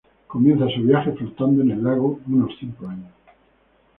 Comienzan su viaje flotando en el lago unos cinco años.